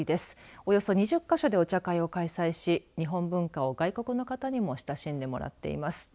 およそ２０か所でお茶会を開催し日本文化を外国の方にも親しんでもらっています。